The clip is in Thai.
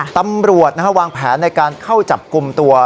ตำรวจวางแผนในการเข้าจับกลุ่มตัว